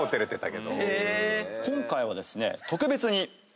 今回はですね特別に。